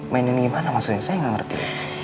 mainin gimana maksudnya saya nggak ngerti